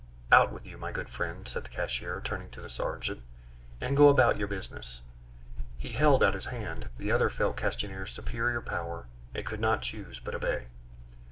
"Out with you, my good friend," said the cashier, turning to the sergeant, "and go about your business." He held out his hand; the other felt Castanier's superior power, and could not choose but obey.